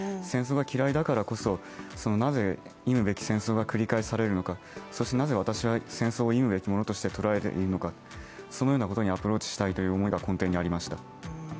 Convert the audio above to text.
戦争が嫌いだからこそ、なぜ忌むべき戦争が繰り返されるのか、そしてなぜ私は戦争を忌むべきものとして捉えているのか、そのようなことにアプローチしたいという思いが根底にありました。